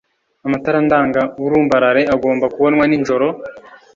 Amatara ndanga burumbarare agomba kubonwa n'ijoro